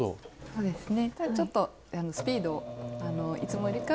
そうですね。